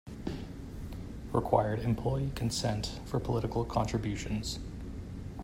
Required Employee Consent for Political Contributions.